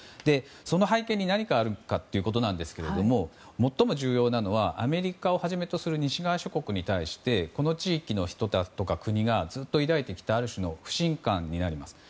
その背景に何があるかということなんですけど最も重要なのはアメリカをはじめとする西側諸国に対してこの地域の国や人たちがずっと抱いてきたある種の不信感になります。